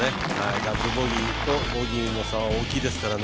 ダブルボギーとボギーの差は大きいですからね。